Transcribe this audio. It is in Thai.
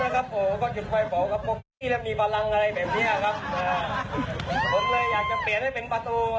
ครับ